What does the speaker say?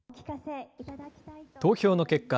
投票の結果